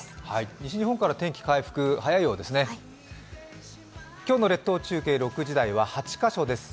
西日本から天気回復、早いようですね。